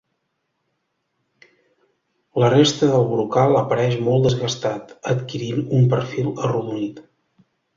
La resta del brocal apareix molt desgastat, adquirint un perfil arrodonit.